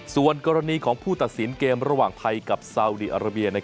ส่วนกรณีของผู้ตัดสินเกมระหว่างไทยกับซาวดีอาราเบีย